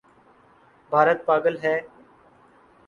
بھارت پاگل ہے؟